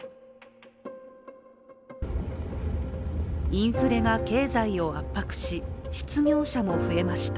インフレが経済を圧迫し、失業者も増えました。